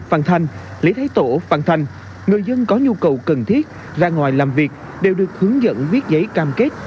phần thành lý thái tổ phần thành người dân có nhu cầu cần thiết ra ngoài làm việc đều được hướng dẫn viết giấy cam kết